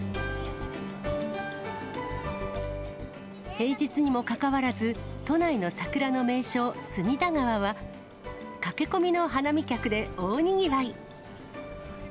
平日にもかかわらず、都内の桜の名所、隅田川は、駆け込みの花見客で大にぎわい。